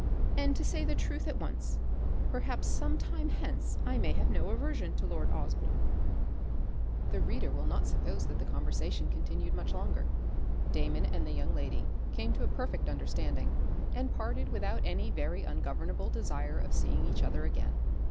And to say the truth at once, perhaps some time hence I may have no aversion to lord Osborne." The reader will not suppose that the conversation continued much longer. Damon and the young lady came to a perfect understanding, and parted without any very ungovernable desire of seeing each other again.